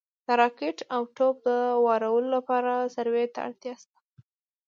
د راکټ او توپ د وارولو لپاره سروې ته اړتیا شته